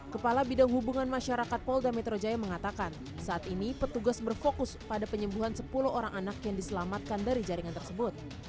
kepala bidang hubungan masyarakat polda metro jaya mengatakan saat ini petugas berfokus pada penyembuhan sepuluh orang anak yang diselamatkan dari jaringan tersebut